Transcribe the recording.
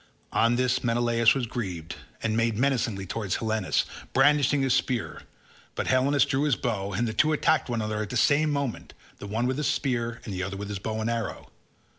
On this Menelaus was grieved, and made menacingly towards Helenus, brandishing his spear; but Helenus drew his bow, and the two attacked one another at one and the same moment, the one with his spear, and the other with his bow and arrow.